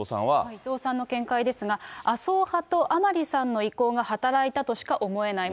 伊藤さんの見解ですが麻生派と甘利さんの意向が働いたとしか思えない。